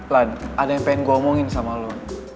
lan ada yang pengen gue ngomongin sama lo